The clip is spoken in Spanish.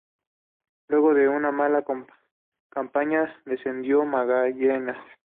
Luego de una muy mala campaña, descendió Magallanes.